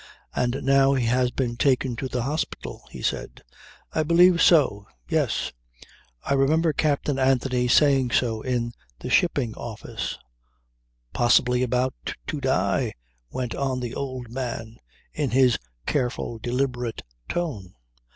"And now he has been taken to the hospital," he said. "I believe so. Yes. I remember Captain Anthony saying so in the shipping office." "Possibly about to die," went on the old man, in his careful deliberate tone.